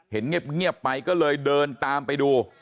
เห็นเงียบไปก็เลยเดินตามไปดู